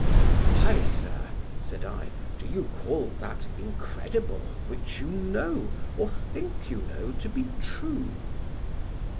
"'Why, sir,' said I, 'do you call that incredible which you know, or think you know, to be true?